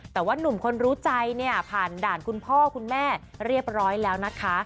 แต่ว่านุ่มคนรู้ใจเนี่ยผ่านด่านคุณพ่อคุณแม่เรียบร้อยแล้วนะคะ